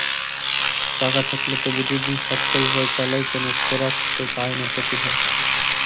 টাকা থাকলে তবু দুদিন সচ্ছলভাবে চালাই, কোনো খোরাক তো পায় না প্রতিভার।